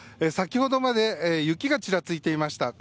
先ほどまで雪がちらついていました。